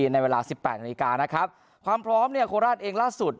ในเวลาสิบแปดนาฬิกานะครับความพร้อมเนี่ยโคราชเองล่าสุด